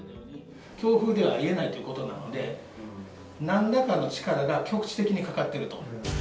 強風ではありえないということなので、なんらかの力が局地的にかかってると。